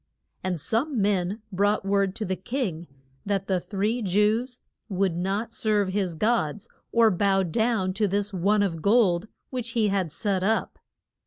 And some men brought word to the king that the three Jews would not serve his gods, or bow down to this one of gold which he had set up.